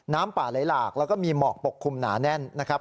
น้ำป่าไหลหลากแล้วก็มีหมอกปกคลุมหนาแน่นนะครับ